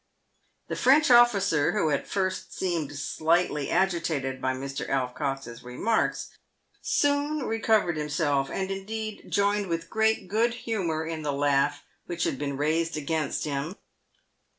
The French officer, who at first had seemed slightly agitated by Mr. Alf Cox's remarks, soon recovered himself, and, indeed, joined with great good humour in the laugh which had been raised against him.